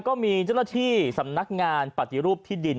ก็มีเจ้าหน้าที่สำนักงานปฏิรูปที่ดิน